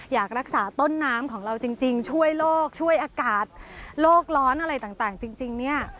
อยากรักษาต้นน้ำของเราจริงช่วยโลกช่วยอากาศโลกร้อนอะไรต่างจริงเนี่ย